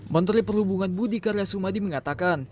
menteri perhubungan budi karya sumadi mengatakan